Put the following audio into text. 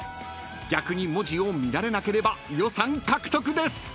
［逆に文字を見られなければ予算獲得です］